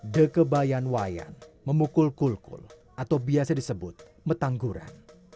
dekebayan wayan memukul kul kul atau biasa disebut metangguran